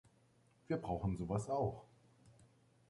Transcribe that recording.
Wir brauchen sowas auch.